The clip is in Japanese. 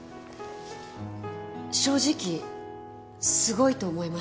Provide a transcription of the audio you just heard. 正直すごいと思いました。